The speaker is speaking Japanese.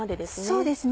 そうですね。